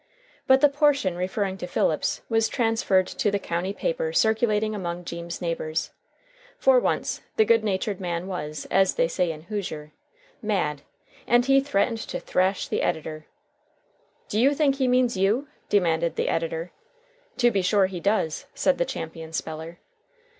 But the portion referring to Phillips was transferred to the county paper circulating among Jeems' neighbors. For once the good natured man was, as they say in Hoosier, "mad," and he threatened to thrash the editor. "Do you think he means you?" demanded the editor. "To be sure he does," said the champion speller.